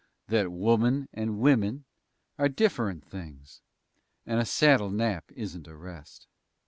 That "woman" and "wimmen" are different things And a saddle nap isn't a rest.